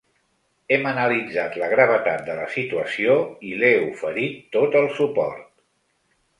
Hem analitzat la gravetat de la situació i li he oferit tot el suport.